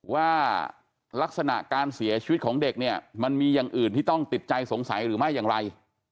ว่าลักษณะการเสียชีวิตของเด็กเนี่ยมันมีอย่างอื่นที่ต้องติดใจสงสัยหรือไม่อย่างไร